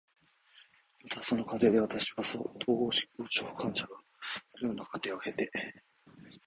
また、その過程で私は、統合失調症患者がどのような過程を経てこれらの症状につながるのか、そしてそれがどのように進行していくのかを学ぶ機会にも恵まれました。